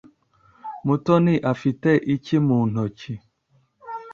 Mutoni afite iki mu ntoki?